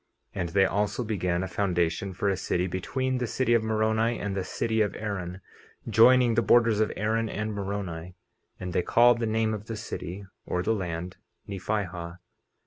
50:14 And they also began a foundation for a city between the city of Moroni and the city of Aaron, joining the borders of Aaron and Moroni; and they called the name of the city, or the land, Nephihah.